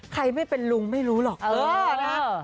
ใครไม่เป็นลุงไม่รู้หรอกเออนะฮะ